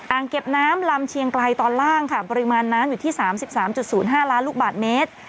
เก็บน้ำลำเชียงไกลตอนล่างค่ะปริมาณน้ำอยู่ที่๓๓๐๕ล้านลูกบาทเมตร